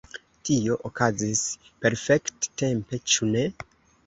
Tio okazis perfekt-tempe, ĉu ne?